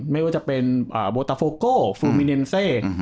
ไม่ว่าจะเป็นบทฟโลโฟทฟลูมิเนมสส